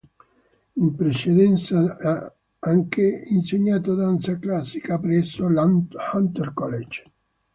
In precedenza, ha anche insegnato danza classica presso l'Hunter College.